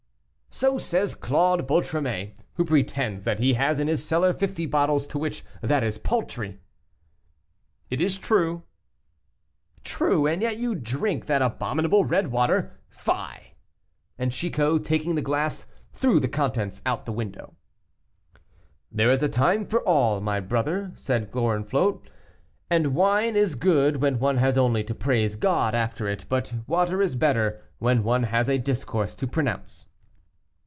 "So says Claude Boutromet, who pretends that he has in his cellar fifty bottles to which that is paltry." "It is true." "True, and yet you drink that abominable red water. Fie!" And Chicot, taking the glass, threw the contents out of window. "There is a time for all, my brother," said Gorenflot, "and wine is good when one has only to praise God after it, but water is better when one has a discourse to pronounce."